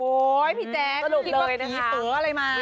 โอ๊ยพี่แจ๊กคิดว่าผีเผลออะไรมา